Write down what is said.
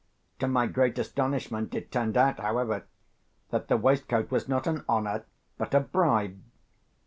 To my great astonishment, it turned out, however, that the waistcoat was not an honour, but a bribe.